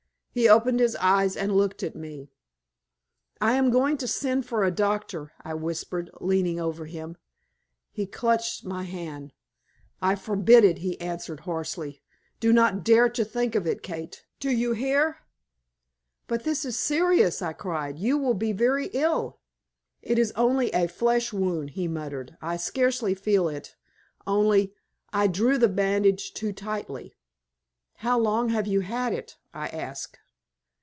He opened his eyes and looked at me. "I am going to send for a doctor," I whispered, leaning over him. He clutched my hand. "I forbid it," he answered, hoarsely. "Do not dare to think of it, Kate! Do you hear?" "But this is serious!" I cried. "You will be very ill." "It is only a flesh wound," he muttered. "I scarcely feel it; only I drew the bandage too tightly." "How long have you had it?" I asked.